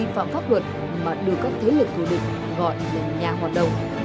pháp luật mà đưa các thế lực thủ địch gọi là nhà hoạt động